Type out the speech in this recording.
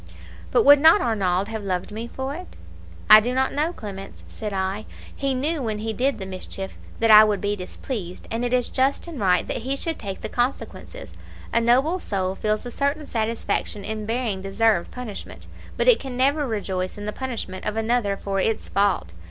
"'But would not Arnauld have loved me for it?' "'I do not know, Clemence,' said I, 'He knew, when he did the mischief, that I would be displeased, and it is just and right that he should take the consequences. A noble soul feels a certain satisfaction in bearing deserved punishment, but it can never rejoice in the punishment of another for its fault.